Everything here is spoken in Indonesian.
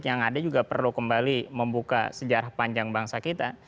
yang ada juga perlu kembali membuka sejarah panjang bangsa kita